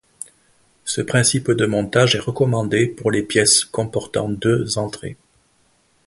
Ce principe de montage est recommandé pour les pièces comportant deux entrées.